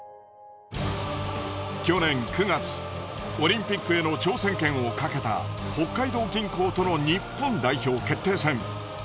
去年９月オリンピックへの挑戦権をかけた北海道銀行との日本代表決定戦。